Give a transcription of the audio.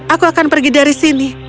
aku akan pergi dari sini